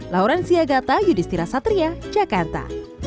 lauren siagata yudhistira satria jakarta